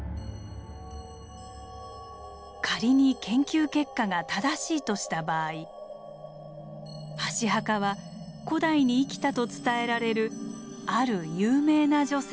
仮に研究結果が正しいとした場合箸墓は古代に生きたと伝えられるある有名な女性とつながります。